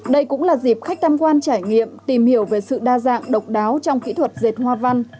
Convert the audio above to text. đây cũng là dịp khách tham quan trải nghiệm tìm hiểu về sự đa dạng độc đáo trong kỹ thuật dệt hoa văn